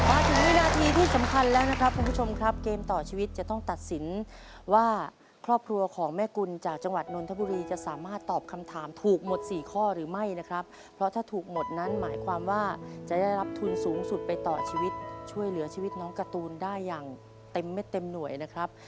มาถึงวินาทีที่สำคัญแล้วนะครับคุณผู้ชมครับเกมต่อชีวิตจะต้องตัดสินว่าครอบครัวของแม่กุลจากจังหวัดนนทบุรีจะสามารถตอบคำถามถูกหมดสี่ข้อหรือไม่นะครับเพราะถ้าถูกหมดนั้นหมายความว่าจะได้รับทุนสูงสุดไปต่อชีวิตช่วยเหลือชีวิตน้องการ์ตูนได้อย่างเต็มเม็ดเต็มหน่วยนะครับ